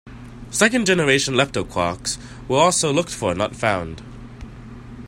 Second generation leptoquarks were also looked for and not found.